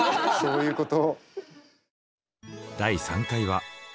第３回は。